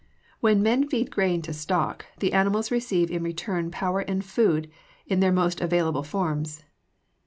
When men feed grain to stock, the animals receive in return power and food in their most available forms.